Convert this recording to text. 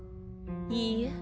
いいえ。